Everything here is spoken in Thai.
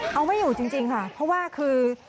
เอาไม่อยู่จริงค่ะเพราะว่าคือ